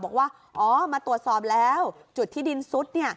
บอกว่าอ๋อมาตรวจสอบแล้วจุดที่ดินซุด